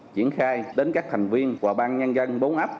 triển khai đến các thành viên và ban nhân dân bốn ấp